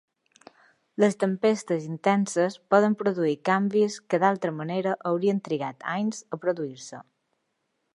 Les tempestes intenses poden produir canvis que d'altra manera haurien trigat anys a produir-se.